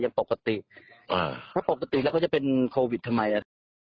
ยังปกติถ้าปกติแล้วก็จะเป็นโควิดทำไม